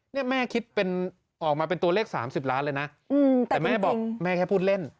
เนี่ยแม่คิดเป็นออกมาเป็นตัวเลข๓๐ล้านเลยนะแต่แม่บอกแม่แค่พูดเล่น